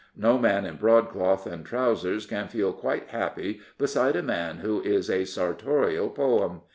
No man in broadcloth and trousers can feel quite happy beside a man who is a sartorial poem.